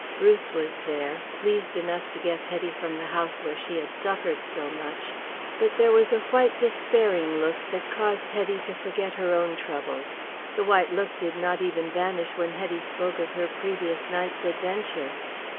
Bruce was there, pleased enough to get Hetty from the house where she had suffered so much. But there was a white despairing look that caused Hetty to forget her own troubles. The white look did not even vanish when Hetty spoke of her previous night's adventure.